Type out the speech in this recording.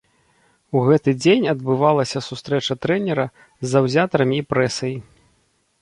У гэты дзень адбывалася сустрэча трэнера з заўзятарамі і прэсай.